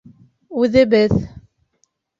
Үҙебеҙ